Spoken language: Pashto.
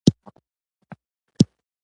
دواړو خواوو ته د مرګ ژوبلې سبب کېږي.